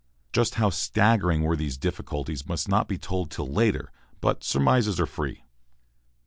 Just how staggering were these difficulties must not be told till later, but surmises are free.